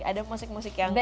ada musik musik yang